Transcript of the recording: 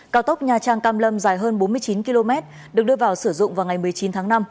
cao tốc nha trang cam lâm dài hơn bốn mươi chín km được đưa vào sử dụng vào ngày một mươi chín tháng năm